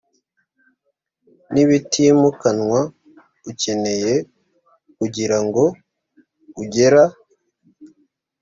n ibitimukanwa ukeneye kugirango ugera